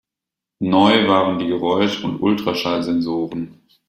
Neu waren die Geräusch- und Ultraschall-Sensoren.